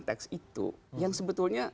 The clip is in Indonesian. teks itu yang sebetulnya